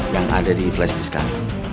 yang ada di flash disk kami